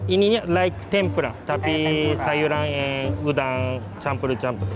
ini naik tempura tapi sayuran yang udah campur campur